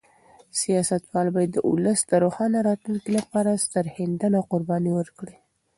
سیاستوال باید د ولس د روښانه راتلونکي لپاره سرښندنه او قرباني ورکړي.